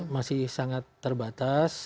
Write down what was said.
masih sangat terbatas